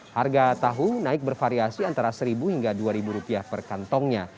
harga tahu naik bervariasi antara rp satu hingga rp dua per kantongnya